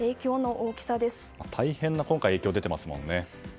大変な影響が今回、出ていますもんね。